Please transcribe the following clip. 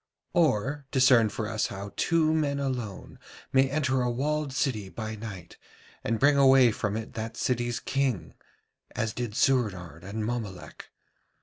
Or discern for us how two men alone may enter a walled city by night, and bring away from it that city's king, as did Soorenard and Mommolek.